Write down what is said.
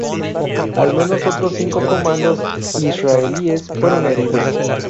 Al menos otros cinco comandos israelíes fueron heridos.